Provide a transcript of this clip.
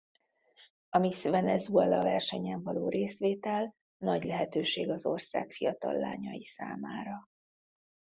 A Miss Venezuela versenyen való részvétel nagy lehetőség az ország fiatal lányai számára.